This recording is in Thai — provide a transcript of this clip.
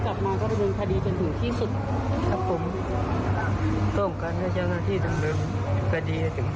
ครับผมต้องการให้ช่างงานที่สำเร็จกดีถึงที่สุด